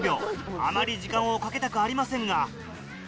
あまり時間をかけたくありませんが。